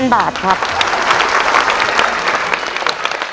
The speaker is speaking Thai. คุณฝนจากชายบรรยาย